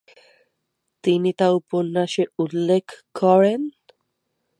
তিনি তা উপন্যাসে উল্লেখ করেন।